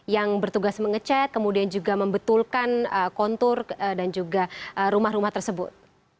yang bertugas mengecek kemudian juga membetulkan kontur dan juga rumah rumah tersebut